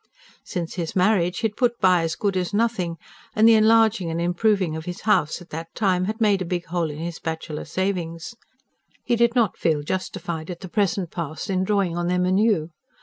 Since his marriage he had put by as good as nothing; and the enlarging and improving of his house, at that time, had made a big hole in his bachelor savings. He did not feel justified at the present pass in drawing on them anew.